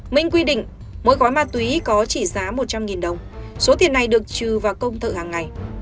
minh quy định mỗi gói ma túy có trị giá một trăm linh đồng số tiền này được trừ vào công thợ hàng ngày